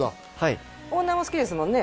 いオーナーも好きですもんね